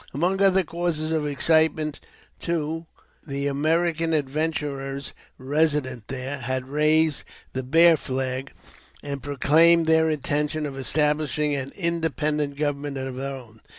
Among other causes of excitement, too, the American adventurers resident there had raised the " Bear Flag," and proclaimed their intention of establishing an independent government of their own.